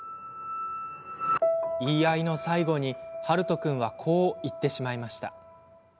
言い合いの最後に、はると君はこう言ってしまいました。